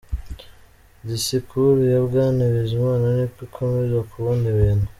Disikuru ya Bwana Bizimana niko ikomeza kubona ibintu.